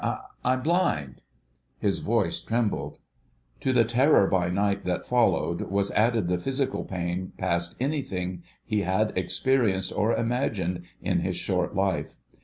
I'm blind." His voice trembled. To the terror by night that followed was added physical pain past anything he had experienced or imagined in his short life.